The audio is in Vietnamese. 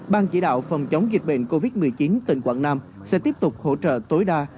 ban chỉ đạo phòng chống dịch bệnh covid một mươi chín tỉnh quảng nam sẽ tiếp tục hỗ trợ tối đa